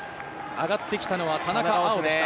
上がってきたのは田中碧でした。